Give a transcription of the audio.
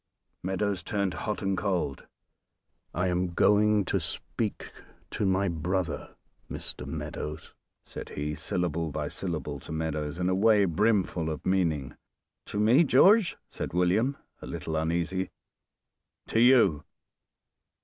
Meadows turned hot and cold. "I am going to speak to my brother, Mr. Meadows!" said he, syllable by syllable to Meadows in a way brimful of meaning. "To me, George?" said William, a little uneasy. "To you!